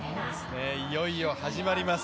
いよいよ始まります